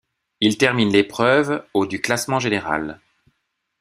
Il termine l'épreuve au du classement général.